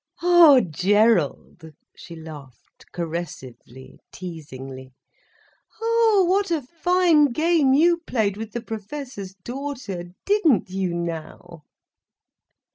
"Ah, Gerald," she laughed, caressively, teasingly, "Ah, what a fine game you played with the Professor's daughter—didn't you now?"